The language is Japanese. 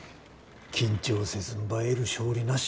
緊張せずんば得る勝利なし。